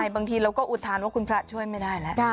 บางทีเราก็อุทานว่าคุณพระช่วยไม่ได้แล้ว